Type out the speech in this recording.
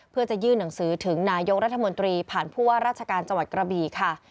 เพื่อจะยื่นหนังสือถึงนายกรัฐมนตรีผ่านผู้ว่าราชการจังหวัดกระบีค่ะ